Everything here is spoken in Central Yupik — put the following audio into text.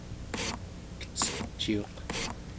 kececiuq